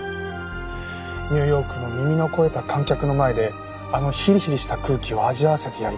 ニューヨークの耳の肥えた観客の前であのヒリヒリした空気を味わわせてやりたい。